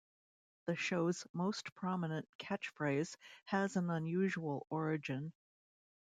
The show's most prominent catchphrase has an unusual origin.